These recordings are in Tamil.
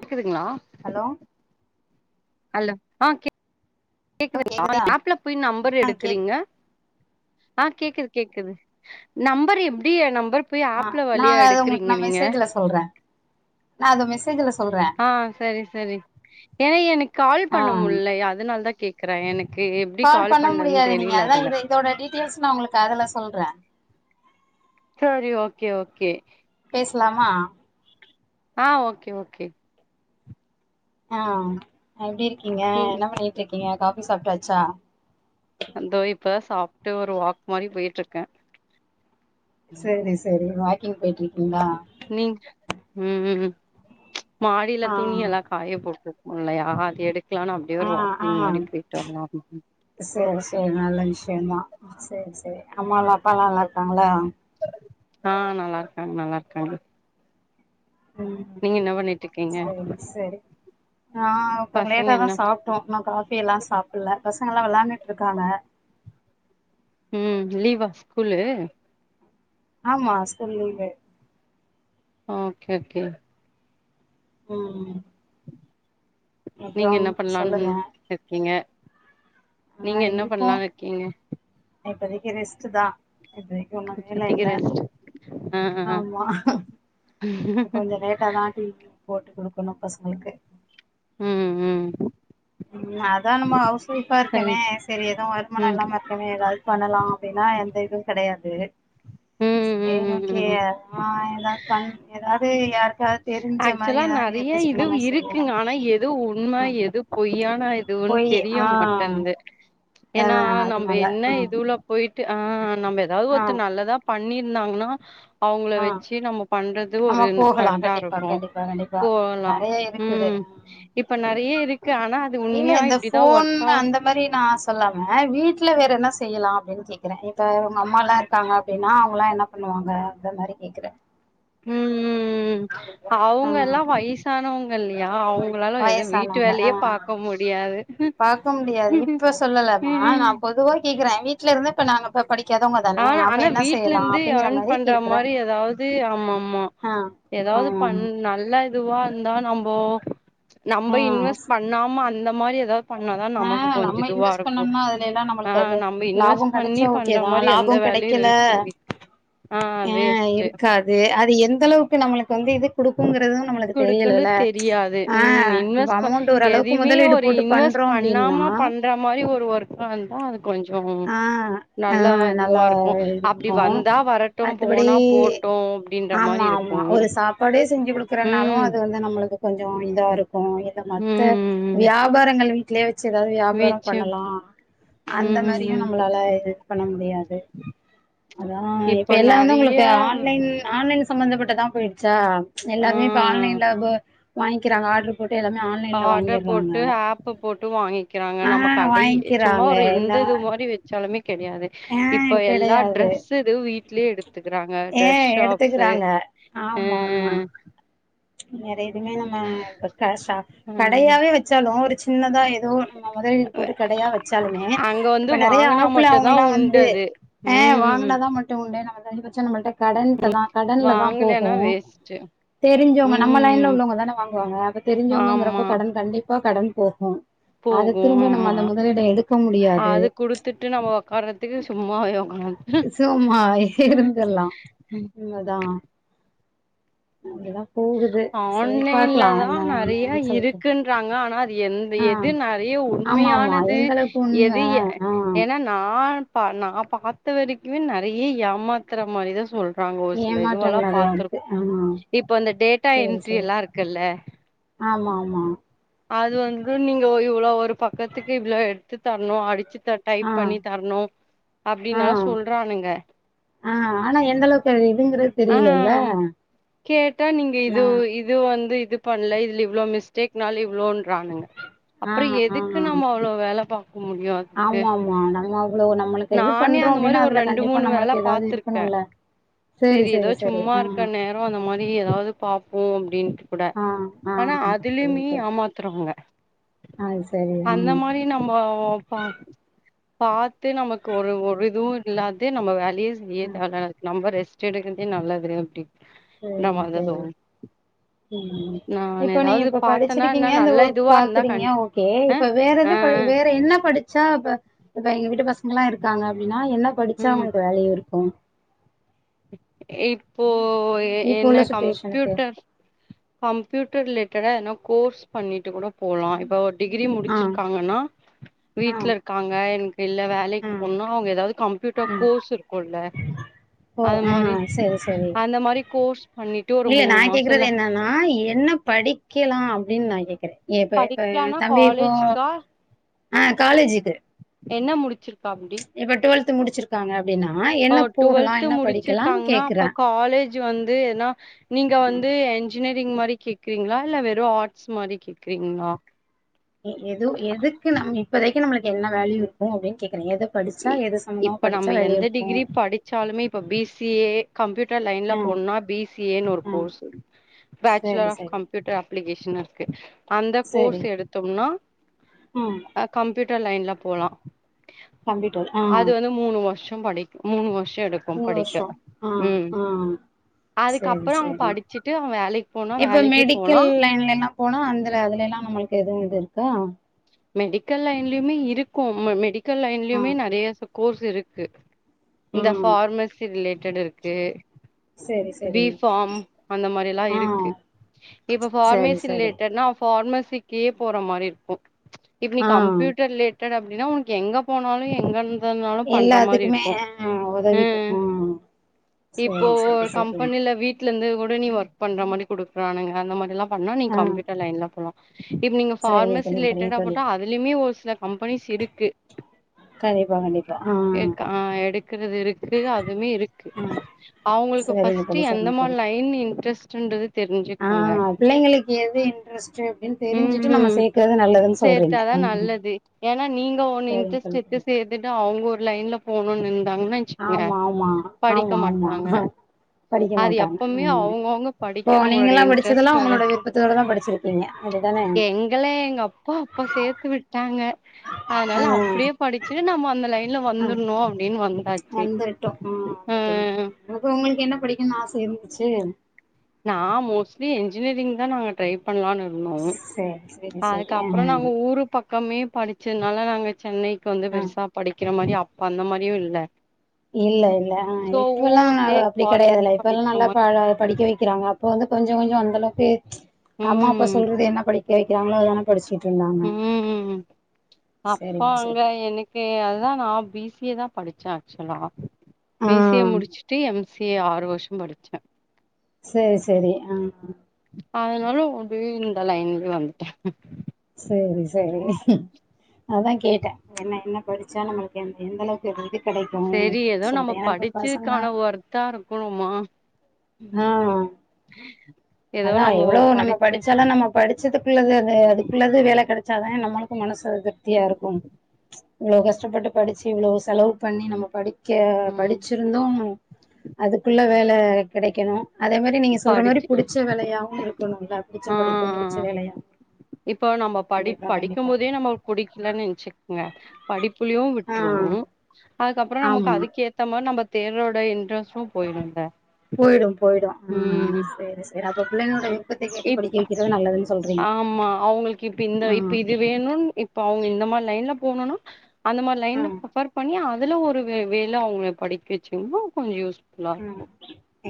கேக்குதுங்களா ஹலோ ஹலோ ஆ [inaudible] ஹலோ கேக்குது கேக்குதா ஆப்ல போய் நம்பர் ஆ எடுக்கறீங்க கேக்குது ஆ கேக்குது கேக்குது நம்பர் எப்டி எ நம்பர் போய் ஆ ஆப்ல வழியா நாங்க அது உங்களுக்கு எடுக்கறீங்க நா நீங்க மெசேஜ்ல சொல்றே நா அத மெசேஜ்ல சொல்றே ஆ சரி சரி ஏன்னா எனக்கு கால் ஆ பண்ண முல்ல அதனால தா கேக்குறே எனக்கு எப்டி கால் பண்ண பண்றதுன்னு முடியாது நீங்க தெரியல அதா அதுல இத இதோட டீடெய்ல்ஸ் நா உங்களுக்கு அதுல சொல்றே சரி ஓகே ஓகே பேசலாமா ஆ ஓகே ஓகே ஆ எப்டி இருக்கீங்க ம் என்ன பண்ணிட்ருக்கீங்க காபி சாப்ட்டாச்சா அந்தோ இப்பதா சாப்ட்டு ஒரு வாக் மாரி போயிட்ருக்கே சரி சரி வாக்கிங் போய்ட்ரிக்கீங்களா நீங் ம் ம் மாடியில ஆ துணியல்ல காய போட்டுக்கோ இல்லயா அது எடுக்கலா னுக்கு அப்டியே ஒரு வாக்கிங் மாரி போயிட்டு வரலா சரி சரி நல்ல விஷயந்தா சரி சரி அம்மா எல்லா அப்பல்லா நல்லா இருக்காங்களா ஆ நல்லாருக்காங்க நல்லாருக்காங்க ம் பண்ணிட்ருக்கீங்க சரி சரி ஆ ஒருத்தங்க பசங்க லேட்டாதா என்ன சாப் ட்டோ நா காபி எல்லா சாப்பல்ல பசங்க வெளாண்டுட்ருக்காங்க ம் லீவா ஸ்கூலு ஆமா ஸ்கூல் லீவு ஓகே ஓகே ம் அப்றோ நீங்க என்ன பண்ணலாம்னு சொல்லுங்க இருக்கீங்க நீங்க ஆ என்ன இருக்கோ பண்லான்னு இருக்கீங்க இப்போதைக்கு ரெஸ்ட்டுதா இது ஒண்ணு வேலை இப்பத்திக்கு இல்ல ரெஸ்ட் ஆ ஆ ஆ. ஆமா கொஞ்ச லேட்டா தா டீ போட்டு குடுக்கணு பசங்களுக்கு ம் ம் ம் அதா நம்ம ஹவுஸ்ஃஒய்பா சரி இருக்கனே சரி எதுவு வருமான ம் இல்லாம இரு எனே எதாது பண்ணலா அப்டின்னா எந்த இதுவு கெடையாது ம் ம் செரி ம் ஓகே ம் ஆ ம் யம்மா ஏதாவது பண் ஏதாவது யாருக்கா தெரிஞ்ச ஆக்சுவலா மாரி ஏதாவது நெறைய எப்ஸ் இது முலமா செய்யலா இருக்குங்க ஆனா எது உண்ம ஆ எது பொய்யானது இதுன்னு போயி ஆ தெரியமாட்டன்து ஆ ஏனா நம்ம அதனால என்ன ஆ இதுலப் போயிட்டு ஆ நம்ம ஏதாவது ஆ ஒருத்த நல்லதா பண்ணிற் நாங்கனா அவங்கள ஆ வச்சி நம்ம பண்றது நம்ம ஒரு போகலா கரெக்டா இருக்கு கண்டிப்பா அவ் கண்டிப்பா கண்டிப்பா ஆ கோலா நெறைய இருக்குது ம் இப்ப நறைய இருக்கு ஆனா அது ஏல உண்மையா இந்த இப்டிதா போன் ஒர்க் அந்தப் அவுட் இந்த மாரி நா சொல்லாம வேற என்ன செய்யலா அப்டின்னு கேக்குற இத உங்க அம்மாலா இருக் காங்க அப்டின்னா அவங்கல்லா என்ன பண்ணுவாங்க அந்த மாரி கேக்குற ம் ஆம் ஆ அவங்க எல்லா வயசானவங்க இல்லையா அவ் வயசானவங்க ஆ பாக்க முடியாது இப்ப சொல்லலமா நா பொதுவா கேக்ற வீட்ல இருந்தா இப்ப நாங்க இப்ப படிக்காதவங்க தான அப்ப என்ன செய்யலா அப்டிங்கிற மாரி இந்த கேக்குறே மாதிரி எதாவது அம் ஆமா ஆமா ஆ ஆ ஏதாவது பண் நல்ல இதுவா இருந்தா நம்போ ஆ நம்ம இன்வெஸ்ட் பண்ணாம அந்த மாதிரி ஏதா பண்ணாதா ஆ நமக்கு கொஞ்ச நம்ம இதுவா இன்வெஸ்ட் இருக்கு பண்ணோம்னா அதுல எல்லா அ நம்மளுக்கு அது நம்ம இன்வெஸ்ட் லாபம் பண்ணி கெடச்சா பண் பண்ற ஓகேதா மாதிரி எந்த வேலையு இருக்கே க் அ இருக்காது அது எந்த அளவுக்கு நம்ளுக்கு வந்து இது குடுக்குங்றது நம்ளுக் குடுக்குன்னு தெரியலல தெரியாது அ ம் இப்ப இன்வெஸ்ட் ப அமௌண்ட் ஓரளவுக்கு எதையுமே முதலீடு ஒரு போட்டு பண் இன்வெஸ்ட் பண்ணாம பண்ற மாரி ஒரு ஒர்க்கா இருக்கு அது கொஞ்சோ ஆ ஆ நல்ல நல்லா இதுவா இருக்கு அப் அப்டி இருக்கு வந்தா வரட்டு மத்தபடி போனா போட்டு அப்டின்ற மாரி இருக்கு கொடே செஞ்சி குடுக்குறனாலு ம் அது வந்து நம்ளுக்கு கொஞ்சோ இதா இருக்கு ஐய இந்த மத்த ம் ம் வியாபாரங்கள் வீட்லயே வச்சி ஏதாவது வியாபாரம் வீச்சு பண்ணலா அந்த ம் ம் மாரியு ம் நம்ளால இது பண்ண முடியாது அதா இப்ப எல்லா வந்து உங்ளுக்கு ஆன்லைன் ஆன்லைன் சம்பந்தப்பட்டதா போயிடுச்சா ஆ எல்லாமே இப்ப ஆன்லைன்ல போ வாங்கிக்கிறாங்க ஆடுருப் போட்டு எல்லாமே ஆன்லைன்ல ஆர்டர் வாங்கிறாங்க போட்டு ஆப்பு போட்டு வாங்கி கிராங்க நம்ம கடை சும்மா வாங்கிக்கிறாங்க இந்த எல்லா இது மாரி வச்சாலுமே கெடையாது ஆ இப்ப எல்லா கெடையாது ட்ரெஸ் இது வீ ட்லேயே எடுத்துக்கிறாங்க ஏ ட்ரஸ் ஷாப்ஸ்சு எடுத்துக்கிறாங்க அ அ நறைய இதுங்க நம்ம பிரக்கா சாப் ம் கடையாவே வச்சாலு ஒரு சின்னதா எ தோ நம்ம முதலீட் போட்டு கடையா வச்சாலுமே அங்க வந்து இப்ப நெறைய வாங்குனா ஆப்புல அவங்க மட்டுந்தா எல்லா உண்டு வந்து அது ஆ ம் வாங்குனதா மட்டு உண்டு நம்ம கை வச்சா நம்மள்ட கடன்ட்ட தா கடன்ல தா போகு வாங்கலன்னா வேஸ்ட்டு தெரிஞ் இங்க நம்ம லைன்ல ம் உள்ளவங்க தான வாங்குவாங்க அப்ப தெரிஞ்சவங்கறப்போ ஆமா கடன் கண்டிப்பா கடன் போகு அத போகு திரும்ப ஆமா அந்த முதலீட எடுக்க முடியாது திட்டுனமோ நம்ம காரணத்துக்கு சும்மாவே உக்காந் இன்மதா அப்டிதா போகுது சரி ஆன்லைன்ல பாக்கலா தா என்ன நெறையா என்னன்னு சொல்ட்டு இருக்குன்றாங்க ஆனா அது எந் ஆ எது நெறையா ஆமா ஆமா உண்மையானது எந்த அளவுக்கு உண்ம எது ஏ ஆ ஏனா நான் பா நா பாத்த வரைக்கு நெறைய ஏமாத்துற மாரிதா சொல் றாங்கோ ஒரு சில இதுவெல்லா ஏமாற்றங்கள் நெறையா இருக்கு பாத்துருக் ஆமா இப்ப அந்த டேட்டா என்ட்ரில்லா இருக்குல்ல ஆமாம்மா அது வந்து நீங்க இவ்ளொ ஒரு பக்கத்துக்கு இவ்ளோ எட்த்து தர்ணே அடிச்சு தர்ணோ டைப் ஆ பண்ணி தர்ணூ ஆ அப்டின்ல்லா சொல்றானுங்க ஆ ஆனா எந்த அளவுக்கு அது இதுங்கிறது தெரியலல்ல ஆம் கேட்டா நீங்க நா இதுவ் இத் இது வந்து இது பண்ல இதுல இவ்ளோ மிஸ்டேக்னால இவ்ளோன்றானுங்க ஆ அப்பறோ எதுக்கு நம்ம அப்றோ வேல பாக்க முடியூ ஆமாம்மா நம்ம அவ்ளோ நம்மளுக்கு இது நானே பண்றோ அந்த மாரி அப்டின்னா ஒரு அதுல ரெண்டு கண்டிப்பா மூணு வேல நம்ளுக்கு ஏதாது பாத்துருக்கே இருக்கனும்ல்ல செரி செரி செரி ஆ ஆனா அந்த மாரி எதாது பாப்போ அப்டின்னுட்டு கூட ஆ ஆ ஆனா சரி அதிலுமே மே சரி ஏமாத்றாங்க ஆ சரி ஆ அந்த மாரி நம்ம ப பாத்து நமக்கு ஒரு ஒரு இதுவு இல்லாத்தே நம்ம வே லேஸ் லேஸா ஆ தா இருக் நம்ம ரெஸ்ட் எடுக்றதே நல்லது க்ரோவிட்டி செரி செரி ம் நான் இப்ப நீங்க ஏதாவது ‌இபப் பாத்தேன்னா என்ன படிச்சிருக்கீங்க இந்த நல்ல ஒர்க் இதுவா இருந்தா பாக்றீங்க கண்டி ஓகே அ இப்ப வேற ஆ எது பண் வேற எது என்ன படிச்சா இப்ப இப்ப எங்க வீட்டு பசங்களா இருக்காங்க அப்டின்னா என்ன படிச்சா ம் அவுங்ளுக்கு வேல்யூ இருக்கூ இப்போ இப்போ இல்ல உள்ள சுச்சுவேஷனுக்கு கம்ப்யூட்டர் கம்ப்யூட்டர் ரிலேட்டடா ஏனா கோர்ஸ் பண்ணிட்டு கூட போலாம் இப்ப டிகிரி ஆ முடிச்சிருக்காங்கன்னா ஆ வீட்ல இருக்காங்க எனக்கு இல்ல வேலைக்கு ஆ போன்னோ அவங்க ஏதாவது கம்ப்யூட்டர் ஆ கோர்ஸ் இருக்கூல்ல ஓ ஆஹ் சரி சரி அந்த மாரி கோர்ஸ் பண்ணிட்டு ஒரு இல்ல மூணு நான் மாச கேக்குறது இல்ல என்னன்னா என்னப் படிக்கலா அப்டின்னு நா கேக்குறே ஏ இப்ப படிக்கலானா தம்பி இப்போ காலேஜ்க்கா ஆ காலேஜ்க்கு என்ன முடிச்சிருக்காபிடி இப்போ டுவெல்த்து முடிச்சிருக்காங்க அப்டின்னா ஓ என்ன போகலா டுவெல்த் என்ன படிக்கலாம் முடிச்சிருக்காங்கன்னா அப்ப கேட்குறே காலேஜ் ஜூ வந்து ஏன்னா நீங்க வந்து என்ஜினியரிங் மாரி கேக்குறீங்களா இல்ல வெறூ ஆர்ட்ஸ் மாரி கேக்குறீங்களா எ எதே எதுக்கு நம் இப்பதைக்கு நமளுக்கு என்ன வேல்யூ இருக்கூன் அப்டின்னு கேக்குறே எத படிச்சா எது சம்மந் இப்போ நம்ப எந்த டிகிரி படிச்சா லூமே இப்ப பி சி ஏ கம்ப்யூட்டர் லைன்ல ஆ போண்னா பி சி ஏன்னு ஒர் ஆ கோர்ஸ்சு இப்ப ஆக்சுவலா சரி சரி கம்ப் ப்புயூட்டர் அப்ளிகேஷன்னு இருக்கு அந்த சரி கோர்ஸ் எடுத்தோம்னா ம் கம்ப்யூட்டர் லைன்ல போலா கம்ப்யூட்டர் ஆ அது வந்து மூணு வருஷொ படிக் மூணு வருஷோ எடுக்கூ மூணு படிக்க வருஷோ ஆ ம் ஆ சரி அதுக்கப்புறம் அவங்க சரி படிச்சுட்டு அவங் வேலைக்கு போனா இப்ப வேலைக்கி மெடிக்கல் போலாம் லைன்ல எல்லா போனா அந்தல அதுலல்லா நம்மளுக்கு எதுவூ இது இருக்கா மெடிக்கல் லைன்லயுமே இருக்கூ மெ மெடிக்கல் ஆ லைன்லயுமே நெறய கோர்ஸ் இருக்கு இந்த ம் ஃபார்மசி ரிலேட்டட் இருக்கு சரி பி சரி ஃபார்ம் அந்த மாதிரில்லா ஆ இருக்கு இப்ப சரி ஃபார்மேசி சரி ரிலேட்டட்னா ஃபார்மசிக்கே போற மாரி இருக்கூ இப்ப நீ ஆ கம்ப்யூட்டர் ரிலேட்டட் அப்டின்னா உனக் எங்கப் போனாலூ எங்கர்ந்தனாலூ பண்ற மாரி எல்லாத்துக்குமே இருக்கூ ஆ ம் உதவிக்கு ம் இப்போ சரி ஒரு சரி சரி கம்பெனில வீட் லருந்து கூட நீ ஒர்க் பண்ற மாதிரி கொடுக்குறானுங்க அந்த மாதிரில்லா பண்ணா நீ ஆ கம்யூட்டர் லைன்ல போலா இப்ப நீங்க சரிங்க ஃபார்மசி தோழி சரிங்க ரிலேட்டடா தோழி போட்டா அதுலயுமே ஒரு சில கம்பெனிஸ் இருக்கு கண்டிப்பா கண்டிப்பா ஆ ஏக் ஆ எடுக்கறது இருக்கு அதுமே இருக்கு ஆ அவங்களுக்கு சரிங்க பஸ்ட்டு தோழி எந்த சரிங்க மாரி தோழி லைன் இன்ட்ரெஸ்ட்ன்றது ஆ தெரிஞ்சுக்கோங்க பிள்ளைங்களுக்கு எது இன்ட்ரெஸ்ட்டு அப்படின்னு ம் தெரிஞ்சுட்டு நம்ம ம் சேர்க்கறது நல்லதுன்னு சொல்றீங்க சேத்தாதா ஆமா நல்லது ஏன்னா நீங்க ஒன்னு சரிங்க இன்ட்ரெஸ்ட் தோழி சரி [unintelligible] அவங்க ஒரு லைன்ல போணும்னு இருந்தாங்கன்னா ஆமா ஆமா ஆமா ஆமா படிக்க அது மாட்டாங்க எப்பவுமே ம் அவங்கவுங்க இப்போ படிக்கிறவங்களோட நீங்கல்லா படிச்சதெல்லா இன்ட்ரெஸ்ட்டோட உங்களோட விருப்பத் பிஃப்த் வர தான படிச்சிருப்பீங்க அப்படிதானே எங்கண்ணே எங்கப்பா அப்பா சேத்து விட்டாங்க அதனால ஆ அப்படியே படி சரி நம்ம அந்த லைன்ல ஆ வந்துணு அப்டின்னு வந்து வந்துட்டோ ஆ வந்துட்டீங்க அப்பறோ உங்களுக்கு என்ன படிக்கணுன்னு ஆச இருந்துச்சு நா மோஸ்ட்லி என்ஜினியரிங் தா நாங்க ட்ரை பண்ணலான்னு இருந்தோ சரி சரி சரி அதுக்கப்பற நாங்க ஆ ஊரு பக்கமே படிச்சனால நாங்க சென்னைக்கு வந்து ஆ பெருசா படிக்கிற மாரி அப்ப அந்த மாரியு இல்ல இல்ல இல்ல சோ இப்பல்லா ஊர்லயே அப்படி காலேஜ்ல கெடையாதுல்ல இப்பல்லா படிக்கிற நல்லா மாரி படிக்க வைக்க க்கிறாங்க அப்ப வந்து கொஞ்ச கொஞ்ச அந்தளவுக்கு அம்மா அப்பா ம் சொல்றது என்ன படிக்க வைக்கிறாங்களோ ஒனக் படிச்சுட்ருந்தாங் ம் அப்ப அங்க சரி. எனக் கு அதுதா நா பி சி ஏ தா படிச்சே ஆக்சுவலா ஆ பி சி ஏ முடிச்சுட்டு எம் சி ஏ ஆறு வருஷம் படிச்சே சேரி சரி ஆ அதனால ஒந்து இந்த லைன்லயே வந்துட்டே சேரி சேரி அதா கேட்டே என்ன என்ன படிச்சா நம்மளுக்கு எந் எந்தளவுக் கேட்டுகிட்டே கெடைக்கு செரி சொல்லிட்டே ஏன்னா இப்ப பசங்கலா காரம் போதுமா ஆ ஏதோ அதா நம்ம எவ்வளோ நம்ம படிச்சு படிச்சாலு நம்ம படிச்சதுக்குள்ளது அது அதுக்குள்ளது வேலை கெடைச்சாதா நம்மளுக்கு மனசு அ திருப்தியா இருக்கு இவ்வளோ கஷ்டப்பட்டு படிச்சு இவ்வளோ செலவு பண்ணி நம்ம படி கே ம் படிச்சிருந்து அதுக்குள்ள வேல கெடைக்கணு அதே மாரி நீங்க சொல்ற மாரி படிச்சு புடிச்ச வேலையாவு இருக்கணும்ளா புடிச்ச படிக்கு முடிச்ச வேலையா இப்ப நம்ம படி படிக்கும் போதே நம்ம புடிக்கலன்னு நெனைச்சுக்கங்க படிப்புலயு ஆ விட்ருவோ அதுக்கப்பற நமக்கு ஆமா அதுக்கு ஏத்த மாரி நம்ம தேரோட இன்ட்ரெஸ்ட்டு போயிடும்ல போயிடு போயிடு ஆ ம் சேரி சேரி அப்ப பிள்ளைங்களோட விருப்பத்த கேட்டு இப் படிக்க வைக்கிறது நல்லதுன்னு சொல்றீங்க ஆமா அவங்களுக்கு இப்ப இந்த ஆ இப்ப இது வேணுன் இப்ப அவங்க இந்த மாரி லைன்ல போணுன்னா அந்த மாரி ஆ லைன்ல ப்ரபர் பண்ணி அதுல ஒரு வே வேல அவங்கள படிக்க வச்சிங்ன்னா கொஞ்ச யூஸ்ஃபுல்லா இருக்கு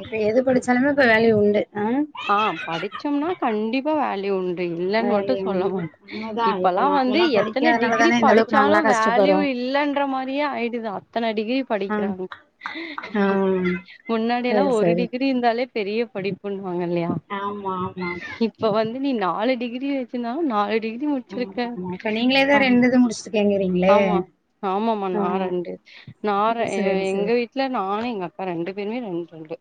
எப்ப எது படிச்சாலுமே இப்ப வேல்யூ உண்டு ஆ படிச்சம்னா கண்டிப்பா வேல்யூ உண்டு இல்லைன்னு மட்டு வேலைய சொல்ல உண்ம மாட்டே உண்மதா இப்ப இப்பல்லா வந்து நாங்கல்லா எத்தன படிக்காதனால டிகிரி தானே இந்த அளவுக்கு படிச்சாலு நாங்களா கஷ்டப்படுறோ வேல்யூ இல்லன்னு க்குற மாரியே ஆயிடுது அத்தனை டிகிரி ம் படிக்கிறாங்க ஆ முன்னாடில்லா சரி ஒரு சரி டிகி ரி இருந்தாலே பெரிய படிப்புன்னுவாங்க இல்லையா ஆமா ஆமா இப்ப வந்து நீ நாலு டிகிரி வச்சிருந்தாலு நால் டிகிரி ம் முடிச்சிருக்க ஆமா இப்ப நீங்களே தா ஆ ரெண்டு இது முடிச்சிருக்கேங்கிறீங்களே ஆமா ஆமாமமா ஆ நா ரெண்டு நா ரெ எ சரி எங்க சரி வீட் டுல நானு எங்க அக்கா ரெண்டு பேருமே ரெண் ரெண்டு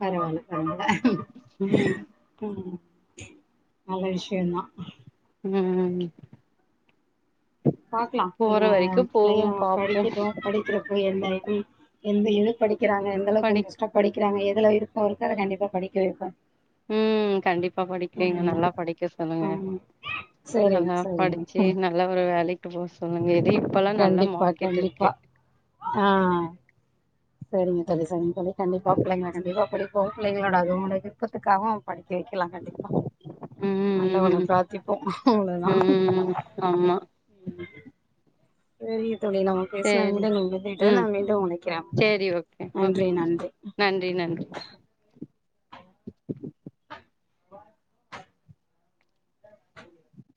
பரவால்ல பரவால்ல ம் ம் நல்ல விஷ்யந்தா ம் ம் பாக்லா போற பிள்ளைங்க வரைக்கு போவோ பிள்ளைங்க பாப்போ படிக்கிட்டு படிக்கிற ப்போ என்ன இது எந்த எதுக் படிக்கிறாங்க எந்தளவுக்கு படி இன்ட்ரெஸ்ட்டா படிக்கிறாங்க எதுல விருப்போ இருக்கோ அத கண்டிப்பா படிக்க வைப்பே ம் கண்டிப்பா படிக்க வைங்க ம் நல்லா படிக்க சொல்லுங்க ஆமா சரிங்க நல்லா படிச்சு சரிங்க நல்லா ஒரு வேலைக்கு போ சொல்லுங்க [inaudible] இப்பெல்லா நல்லா மார்க்கெட்டுருக்கு அ சரிங்க தோழி சரிங்க தோழி கண்டிப்பா பிள்ளைங்கள கண்டிப்பா படிப்போ பிள்ளைங்களோட அதுங்களோட விருப்பத்துக்காக படிக்க வைக்கலா கண்டிப்பா ம் ஆண்டவன ம் பிராத்திப்போ அவ்ளோதா ம் ம். ஆமா ம் செரிங்க தோழி நம்ம பேசுனத சேரி விட [unintelligible] நா மீண்டு அழைக்கிற பாய் இப்ப [inaudible] நன்றி நன்றி [inaudible]